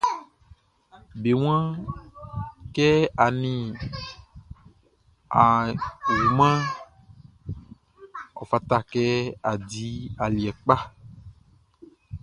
Be waan kɛ a nin a wumanʼn, ɔ fata kɛ a di aliɛ kpa.